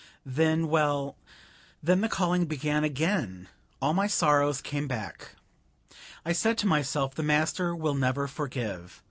Then well, then the calling began again! All my sorrows came back. I said to myself, the master will never forgive.